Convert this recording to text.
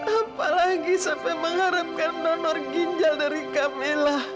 apalagi sampai mengharapkan nonor ginjal dari kamila